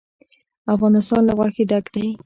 افغانستان له غوښې ډک دی.